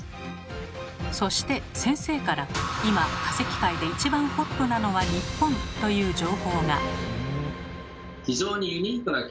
そして先生から「今化石界で一番ホットなのは日本」という情報が。